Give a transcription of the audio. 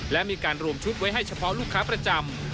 และมีการรวมชุดไว้ให้เฉพาะลูกค้าประจำ